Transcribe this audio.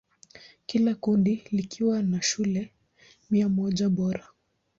Kila kundi likiwa na shule mia moja bora.